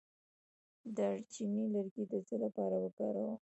د دارچینی لرګی د څه لپاره وکاروم؟